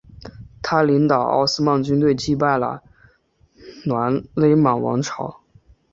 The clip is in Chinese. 他领导奥斯曼军队击败了尕勒莽王朝。